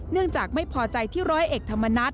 เนื่องจากไม่พอใจที่ร้อยเอกธรรมนัฏ